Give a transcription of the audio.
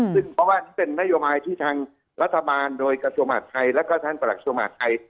เพราะว่าเป็นทัศน์ที่ทางรัฐบาลโดยกระทรวงหวัดไทยและก็ท่านประหลักชรุมหวัดไทย